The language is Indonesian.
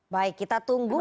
baik kita tunggu